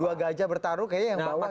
dua gajah bertaruh kayaknya yang bawah ini